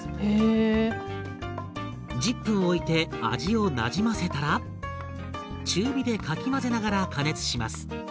１０分おいて味をなじませたら中火でかき混ぜながら加熱します。